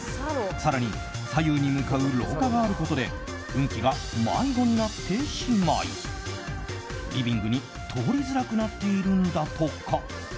更に左右に向かう廊下があることで運気が迷子になってしまいリビングに通りづらくなっているんだとか。